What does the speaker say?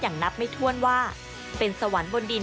นับไม่ถ้วนว่าเป็นสวรรค์บนดิน